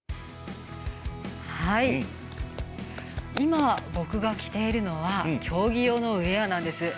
今、僕が着ているのは競技用のウエアなんです。